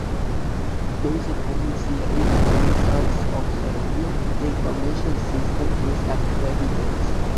Based on the results of the review, the information system is accredited.